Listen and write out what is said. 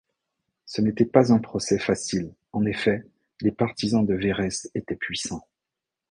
Ce n’était pas un procès facile, en effet les partisans de Verrès étaient puissants.